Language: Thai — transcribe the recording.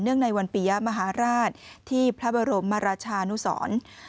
เนื่องในวันปีมหาราชที่พระบรมรชานุสร